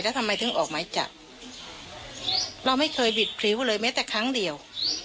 แล้วทำไมถึงออกไม้จับเราไม่เคยบิดพริ้วเลยแม้แต่ครั้งเดียว